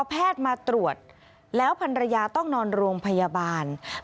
พาพนักงานสอบสวนสนราชบุรณะพาพนักงานสอบสวนสนราชบุรณะ